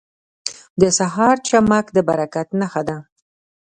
• د سهار چمک د برکت نښه ده.